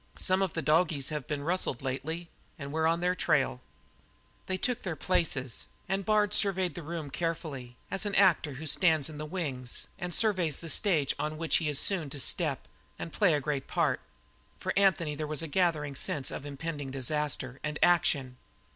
Some of the doggies have been rustled lately and we're on their trail." They took their places, and Bard surveyed the room carefully, as an actor who stands in the wings and surveys the stage on which he is soon to step and play a great part; for in Anthony there was a gathering sense of impending disaster and action.